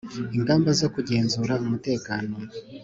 ingamba zo kugenzura umutekano